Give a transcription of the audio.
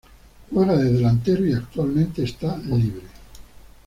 Juega de delantero y actualmente esta Libre.